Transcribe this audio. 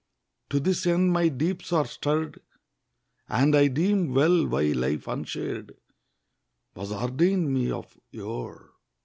To this end my deeps are stirred; And I deem well why life unshared Was ordainèd me of yore.